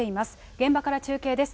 現場から中継です。